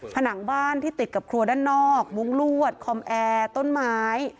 ผนังบ้านที่ติดกับครัวด้านนอกมุ้งลวดคอมแอร์ต้นไม้